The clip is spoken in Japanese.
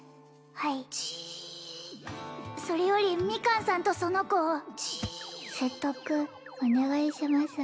はいそれよりミカンさんとその子を説得お願いします